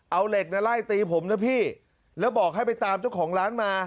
เอาเหล็กนะไล่ตีผมนะพี่แล้วบอกให้ไปตามเจ้าของร้านมา